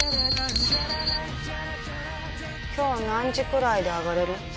今日は何時くらいで上がれる？